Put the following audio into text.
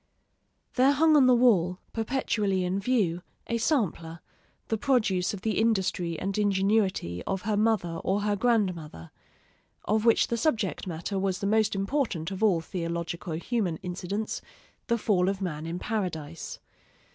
There hung on the wall, perpetually in view, a sampler, the produce of the industry and ingenuity of her mother or her grandmother, of which the subject matter was the most important of all theologico human incidents, the fall of man in Paradise.